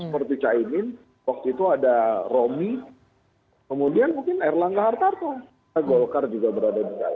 seperti cahimin waktu itu ada romi kemudian mungkin erlang kahartarto ya golkar juga berada di galanya